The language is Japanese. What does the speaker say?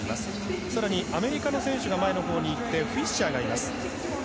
更にアメリカの選手が前のほうにいってフィッシャーがいます。